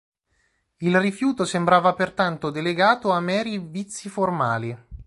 Il rifiuto sembrava pertanto delegato a meri vizi formali.